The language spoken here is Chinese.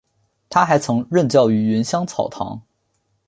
他还曾任教于芸香草堂。